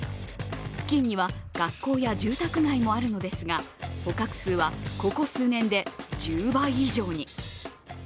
付近には学校や住宅街もあるのですが、捕獲数は、ここ数年で１０倍以上に。